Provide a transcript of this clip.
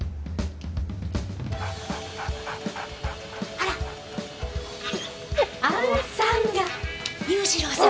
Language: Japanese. あらっあんさんが裕次郎さん？